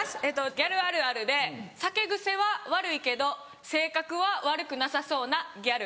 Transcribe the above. ギャルあるあるで「酒癖は悪いけど性格は悪くなさそうなギャル」。